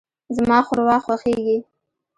زما ښوروا خوښیږي.